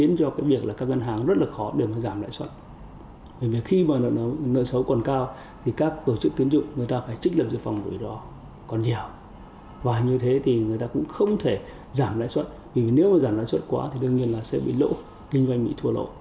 nếu giảm nợ xấu quá thì đương nhiên là sẽ bị lỗ kinh doanh bị thua lỗ